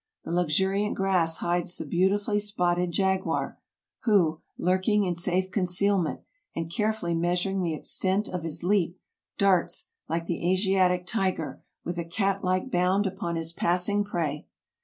The luxuriant grass hides the beautifully spotted jaguar, who, lurking in safe concealment, and carefully measuring the extent of his leap, darts, like the Asiatic tiger, with a cat like bound upon his passing prey.